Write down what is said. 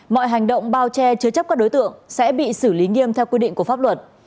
mọi hành động bao che chứa chấp các đối tượng sẽ bị xử lý nghiêm theo quy định của pháp luật